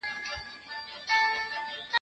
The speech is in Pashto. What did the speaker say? دوی چي ول موږ به نه يو